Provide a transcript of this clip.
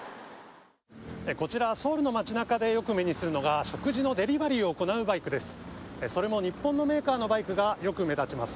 こちらソウルの街中でよく目にするのが、食事のデリバリーを行うバイクです。